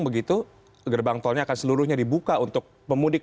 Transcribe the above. begitu gerbang tolnya akan seluruhnya dibuka untuk pemudik